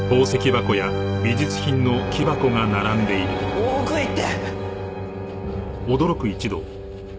お奥へ行って！